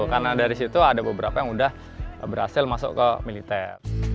karena dari situ ada beberapa yang sudah berhasil masuk ke militer